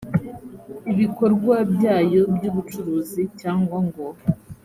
ibikorwa byayo by ubucuruzi cyangwa ngo